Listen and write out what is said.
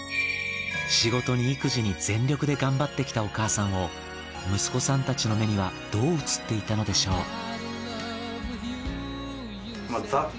仕事に育児に全力でがんばってきたお母さんを息子さんたちの目にはどう映っていたのでしょう？